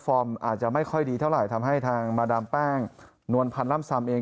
อาจจะไม่ค่อยดีเท่าไหร่ทำให้ทางมาดามแป้งนวลพันธ์ล่ำซำเอง